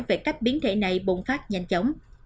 về cách biến thể này bùng phát nhanh chóng